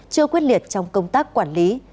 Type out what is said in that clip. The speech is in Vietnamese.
chưa quyết liệt trong công tác quản lý